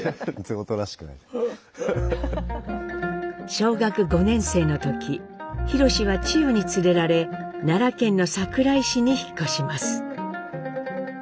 小学５年生の時宏はチヨに連れられ奈良県の桜井市に引っ越します。